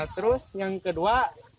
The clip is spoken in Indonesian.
terus yang kedua